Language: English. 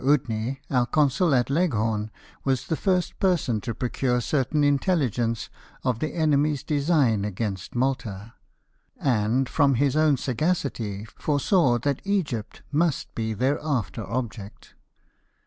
Udney, our consul at Leghorn, was the first person who procured certain intelligence of the enemy's design against Malta; and, from his own sagacity, foresaw that Egypt must be their after object.